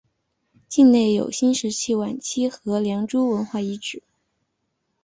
境内有新石器晚期和良渚文化遗址。